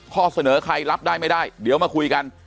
ข้อเสนอใครรับได้ไม่ได้เดี๋ยวมาคุยกัน